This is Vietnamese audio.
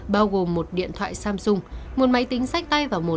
bao gồm một điện thoại samsung một máy tính sách tay và một xe máy ẹp